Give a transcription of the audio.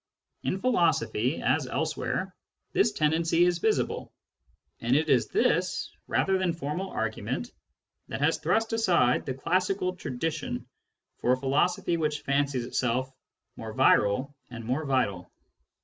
In philosophy, as elsewhere, this tendency is visible ; and it is this, rather than formal argument, that has thrust aside the classical tradition for a philosophy which fancies itself more virile and more vital.